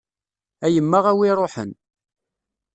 A yemma a wi iruḥen.